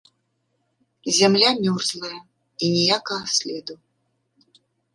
Зямля мёрзлая, і ніякага следу.